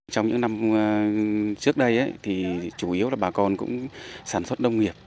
trong những năm trước đây thì chủ yếu là bà con cũng sản xuất nông nghiệp